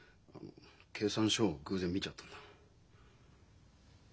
計算書を偶然見ちゃったんだ。